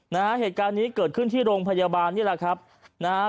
นะฮะเหตุการณ์นี้เกิดขึ้นที่โรงพยาบาลนี่แหละครับนะฮะ